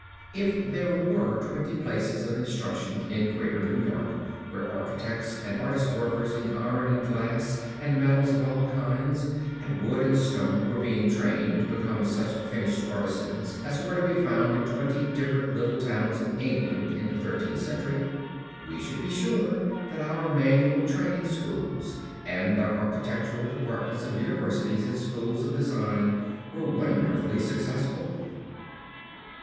If there were twenty places of instruction in Greater New York where architects and artist workers in iron and glass, and metal of all kinds, and wood and stone, were being trained to become such finished artisans as were to be found in twenty different little towns of England in the Thirteenth Century, we should be sure that our manual training schools and our architectural departments of universities and schools of design were wonderfully successful.